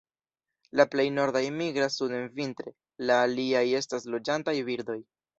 La plej nordaj migras suden vintre; la aliaj estas loĝantaj birdoj.